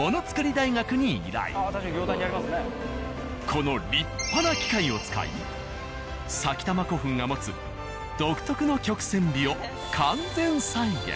この立派な機械を使い埼玉古墳が持つ独特の曲線美を完全再現。